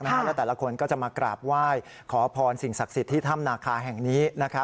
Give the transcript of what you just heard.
และแต่ละคนก็จะมากราบไหว้ขอพรสิ่งศักดิ์สิทธิ์ที่ถ้ำนาคาแห่งนี้